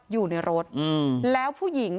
อยู่ในรถแล้วผู้หญิง